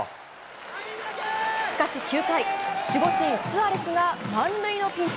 しかし、９回守護神スアレスが満塁のピンチ。